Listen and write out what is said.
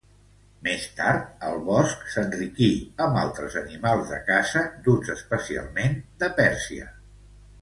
Més tard, el bosc s'enriquí amb altres animals de caça duts especialment de Pèrsia.